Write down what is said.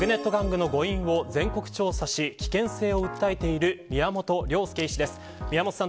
マグネット玩具の誤飲を全国調査し、危険性を訴えている宮本亮佑医師です。